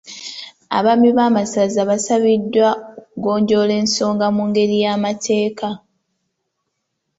Abaami b'amasaza baasabiddwa okugonjoola ensonga mu ngeri y’amateeka.